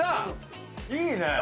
いいね！